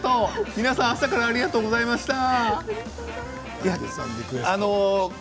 皆さん朝からありがとうございました。